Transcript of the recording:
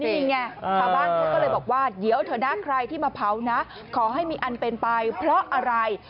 จริงไงชาวบ้านเขาก็เลยบอกว่าเดี๋ยวเถอะนะใครที่มาเผานะขอให้มีอันเป็นไปเพราะอะไร